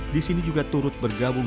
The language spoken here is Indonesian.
disini juga turut bergabung